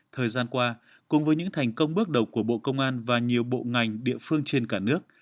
thời gian qua cùng với những thành công bước đầu của bộ công an và nhiều bộ ngành địa phương trên cả nước